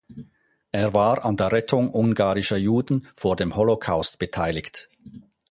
Er war an der Rettung ungarischer Juden vor dem Holocaust beteiligt.